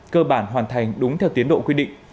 cơ bản hoàn thành đúng theo tiến độ quy định